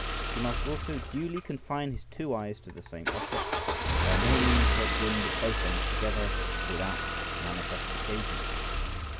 He must also duly confine his two eyes to the same object, and by no means break wind at both ends together without manifest occasion.